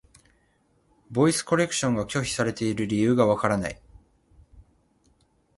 ボイスコレクションが拒否されている理由がわからない。